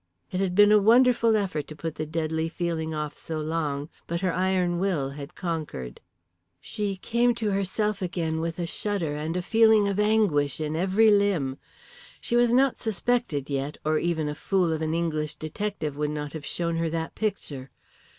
It had been a wonderful effort to put the deadly feeling off so long, but her iron will had conquered. She came to herself again with a shudder and a feeling of anguish in every limb. She was not suspected yet, or even a fool of an English detective would not have shown her that picture.